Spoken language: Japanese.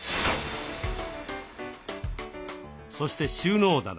そして収納棚。